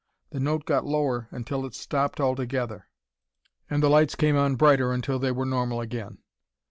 The note got lower until it stopped altogether, and the lights came on brighter until they were normal again.